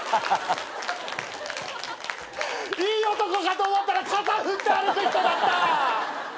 いい男かと思ったら傘振って歩く人だった！